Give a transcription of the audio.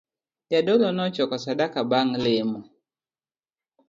Jadolo nochoko sadaka bang' lemo